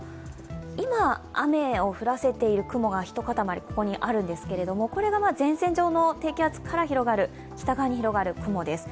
今、雨を降らせている雲が一塊、ここにあるんですけれども、これが前線上の低気圧から北側に広がる雲です。